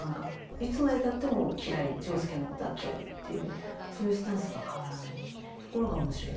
いつまでたっても嫌い仗助のことは嫌いというそういうスタンスが変わらないところがおもしろいです。